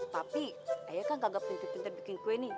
tapi ayah kan kagak pindah pindah bikin kue nih